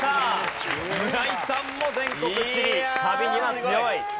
村井さんも全国地理旅には強い。